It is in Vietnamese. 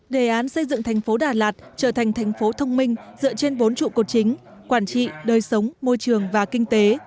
đề án xây dựng thành phố đà lạt trở thành thành phố thông minh dựa trên bốn trụ cột chính quản trị đời sống môi trường và kinh tế